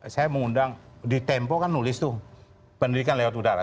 saya mengundang di tempo kan nulis tuh pendidikan lewat udara